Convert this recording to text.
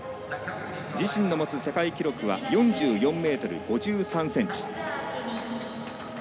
自信の持つ世界記録は４４ｍ５３ｃｍ。